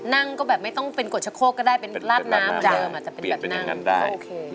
นั่งก็แบบไม่ต้องเป็นกฎชะโคกก็ได้เป็นลาดน้ำเหมือนเดิมอาจจะเป็นแบบนั่งได้โอเค